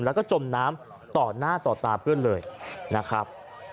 แล้วก็จมน้ำต่อหน้าต่อตาเพื่อนเลยนะครับ